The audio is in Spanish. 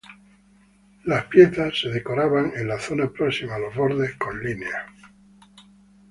Las piezas eran decoradas en la zona próxima a los bordes con líneas.